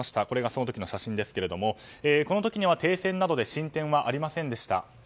これがその時の写真ですけどもこの時には停戦などで進展はありませんでした。